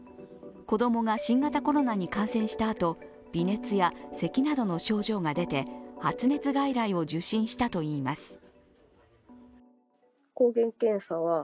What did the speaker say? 子供が新型コロナに感染したあと微熱やせきなどの症状が出て発熱外来を受診したといいます。